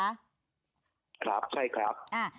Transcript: ครับใช่ครับ